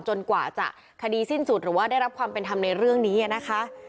กว่าจะคดีสิ้นสุดหรือว่าได้รับความเป็นธรรมในเรื่องนี้นะคะ